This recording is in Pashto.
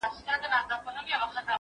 زه به سبا د کتابتون د کار مرسته وکړم؟